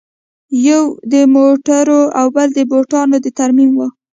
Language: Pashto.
یوه د موټرو او بله د بوټانو د ترمیم وه